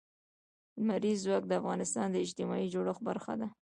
لمریز ځواک د افغانستان د اجتماعي جوړښت برخه ده.